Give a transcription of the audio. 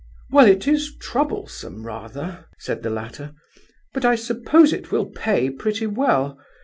"Well, it is troublesome, rather," said the latter; "but I suppose it will 'pay' pretty well.